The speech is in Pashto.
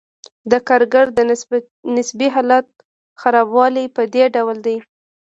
د کارګر د نسبي حالت خرابوالی په دې ډول دی